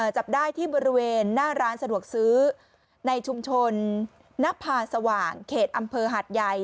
จับได้ที่บริเวณหน้าร้านสะดวกซื้อในชุมชนนภาสว่างเขตอำเภอหาดใหญ่